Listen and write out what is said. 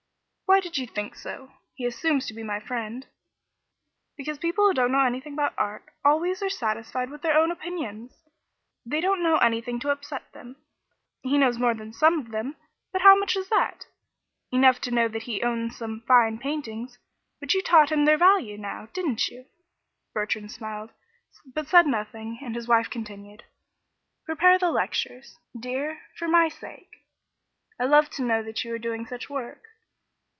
"Why did you think so? He assumes to be my friend." "Because people who don't know anything about art always are satisfied with their own opinions. They don't know anything to upset them. He knows more than some of them, but how much is that? Enough to know that he owns some fine paintings; but you taught him their value, now, didn't you?" Bertrand smiled, but said nothing, and his wife continued. "Prepare the lectures, dear, for my sake. I love to know that you are doing such work."